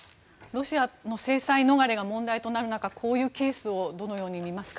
ロシアの制裁逃れが問題となる中こういうケースをどのように見ますか。